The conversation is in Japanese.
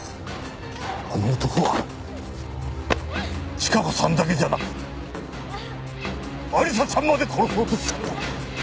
あの男は千加子さんだけじゃなく亜理紗ちゃんまで殺そうとしたんだ！